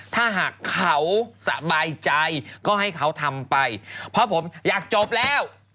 ถ้าหากเขาสบายใจก็ให้เขาทำไปเพราะผมอยากจบแล้ว